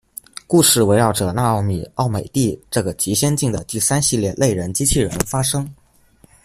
故事围绕着纳奥米·奥美蒂这个极先进的“第三系列”类人机器人发生。